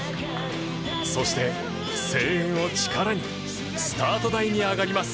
そして声援を力にスタート台に上がります